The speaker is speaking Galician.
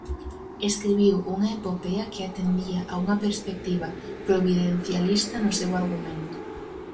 Escribiu unha epopea que atendía a unha perspectiva providencialista no seu argumento.